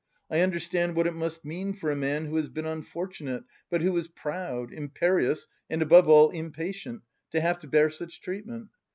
I understand what it must mean for a man who has been unfortunate, but who is proud, imperious and above all, impatient, to have to bear such treatment!